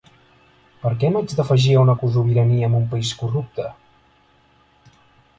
Per què m’haig d’afegir a una cosobirania amb un país corrupte?